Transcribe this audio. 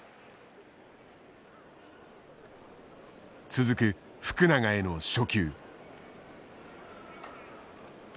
続く福永への初球。